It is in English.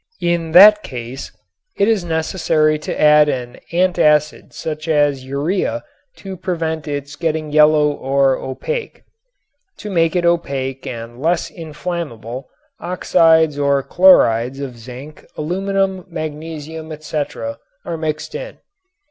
In that case it is necessary to add an antacid such as urea to prevent its getting yellow or opaque. To make it opaque and less inflammable oxides or chlorides of zinc, aluminum, magnesium, etc., are mixed in.